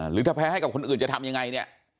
หรือถ้าแพ้ให้กับคนอื่นจะทำยังไงเนี่ย